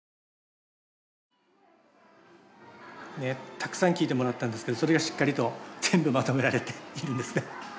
たくさん聞いてもらったんですけどそれがしっかりと全部まとめられているんですね。